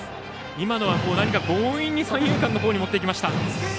今のは強引に三遊間の方に持っていきました。